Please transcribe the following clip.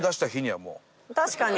確かに。